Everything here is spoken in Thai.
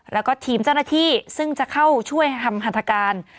แล้วก็ทีมเจ้าหน้าที่ซึ่งจะเข้าช่วยทำหัตถการ